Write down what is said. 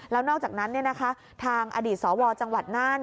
แล้วนอกจากนั้นทางอดีตสวจังหวัดน่าน